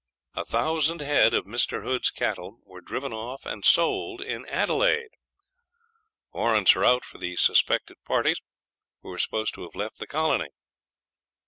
A thousand head of Mr. Hood's cattle were driven off and sold in Adelaide. Warrants are out for the suspected parties, who are supposed to have left the colony.'